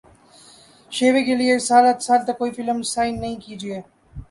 شیوے کیلئے سال تک کوئی فلم سائن نہیں کی اجے